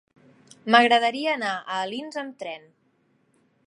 M'agradaria anar a Alins amb tren.